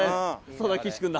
そうだ岸君だ。